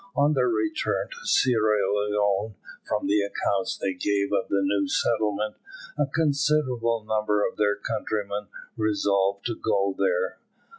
On their return to Sierra Leone, from the accounts they gave of the new settlement, a considerable number of their countrymen resolved to go there.